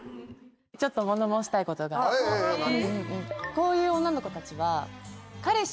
こういう女の子たちは。